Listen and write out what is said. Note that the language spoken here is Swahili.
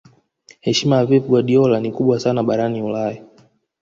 heshima ya pep guardiola ni kubwa sana barani ulaya